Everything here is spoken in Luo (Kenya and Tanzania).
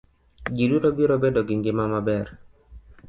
Ji duto biro bedo gi ngima ma ber.